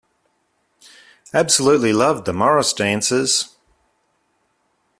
Absolutely loved the Morris dancers!